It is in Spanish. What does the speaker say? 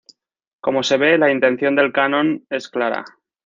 Como se ve, la intención del canon es clara.